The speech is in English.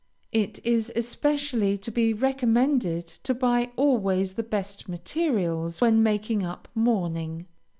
It is especially to be recommended to buy always the best materials when making up mourning.